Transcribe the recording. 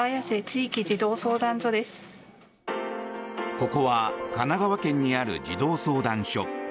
ここは神奈川県にある児童相談所。